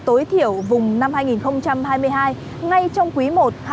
tối thiểu vùng năm hai nghìn hai mươi hai ngay trong quý i hai nghìn hai mươi bốn